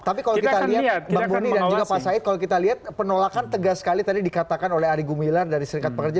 tapi kalau kita lihat bang boni dan juga pak said kalau kita lihat penolakan tegas sekali tadi dikatakan oleh ari gumilar dari serikat pekerja